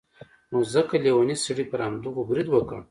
نو ځکه لیوني سړي پر همدغو برید وکړ.